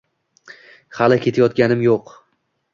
Hali ketayotganim yo‘q.